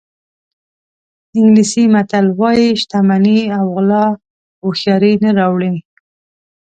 انګلیسي متل وایي شتمني او غلا هوښیاري نه راوړي.